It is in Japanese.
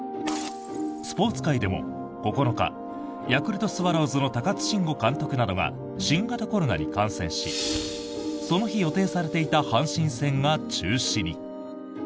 スポーツ界でも９日ヤクルトスワローズの高津臣吾監督などが新型コロナに感染しその日予定されていた阪神戦が中止に。